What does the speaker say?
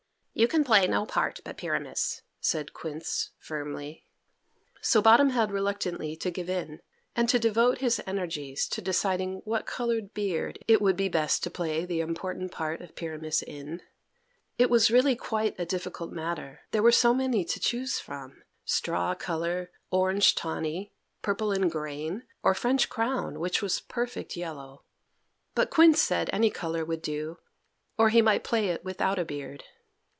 "You can play no part but Pyramus," said Quince firmly. So Bottom had reluctantly to give in, and to devote his energies to deciding what coloured beard it would be best to play the important part of Pyramus in. It was really quite a difficult matter, there were so many to choose from, straw colour, orange tawny, purple in grain, or French crown, which was perfect yellow. But Quince said any colour would do, or he might play it without a beard.